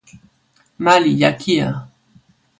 ma li jaki a.